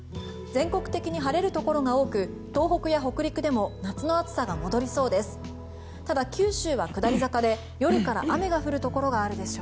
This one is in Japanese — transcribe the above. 全国的に晴れるところが多く東北や北陸でも夏の暑さが戻りそうです。